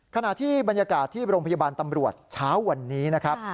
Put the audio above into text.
ขณะที่บรรยากาศที่โรงพยาบาลตำรวจเช้าวันนี้นะครับ